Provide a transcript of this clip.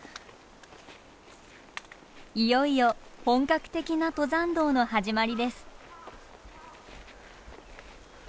いよいよ本格的な登山道の始まりです。